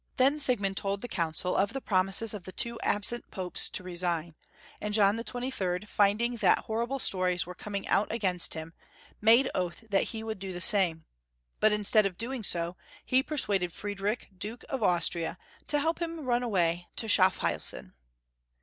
Then Sieg mund told the Council of the promises of the two absent Popes to resign, and John XXIII., finding that hoiTible stories were coming out against him, made oath that he would do the same, but instead of doing so, he persuaded Friedrich, Duke of Aus tria, to help him run away to Schaffhausen.